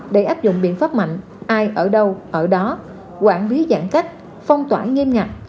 để áp dụng biện pháp mạnh ai ở đâu ở đó quản lý giãn cách phong tỏa nghiêm ngặt